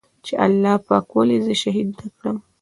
چې الله پاک ولې زه شهيد نه کړم.